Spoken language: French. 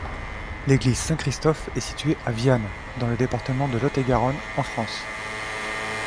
L'église Saint-Christophe est située à Vianne, dans le département de Lot-et-Garonne, en France.